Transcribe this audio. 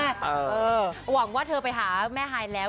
หวังว่าเธอไปหาแม่ฮายแล้ว